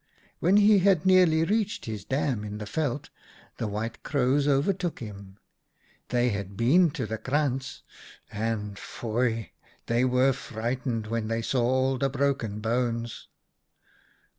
When he had nearly reached his dam in the veld, the White Crows overtook him. They had been ii2 OUTA KAREL'S STORIES to the krantz and, foei ! they were frightened when they saw all the broken bones.